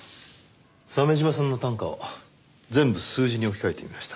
鮫島さんの短歌を全部数字に置き換えてみました。